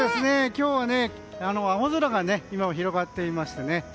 今日は青空が今も広がっていましてね。